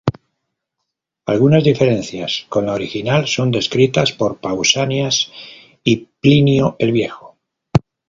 Algunas diferencias con la original son descritas por Pausanias y Plinio el Viejo.